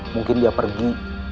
mungkin dia pergi